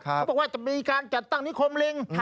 เขาบอกว่าจะมีการจัดตั้งนิคมลิง